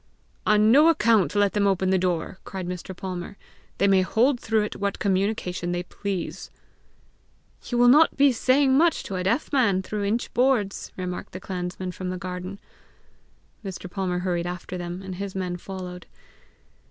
"On no account let them open the door," cried Mr. Palmer. "They may hold through it what communication they please." "You will not be saying much to a deaf man through inch boards!" remarked the clansman from the garden. Mr. Palmer hurried after them, and his men followed.